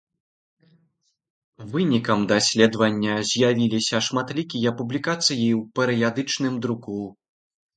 Вынікам даследавання з'явіліся шматлікія публікацыі ў перыядычным друку.